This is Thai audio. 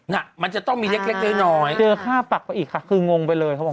น่ะมันจะต้องมีเล็กเล็กน้อยเจอค่าปักไปอีกค่ะคืองงไปเลยเขาบอก